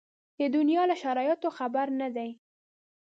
د دنیا له شرایطو خبر نه دي.